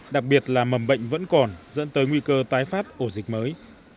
đặc biệt là mầm bệnh vẫn còn dẫn tới nguy cơ tái phát ổ dịch mới